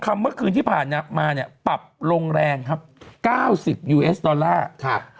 เมื่อคืนที่ผ่านมามาเนี่ยปรับลงแรงครับเก้าสิบยูเอสดอลลาร์ครับ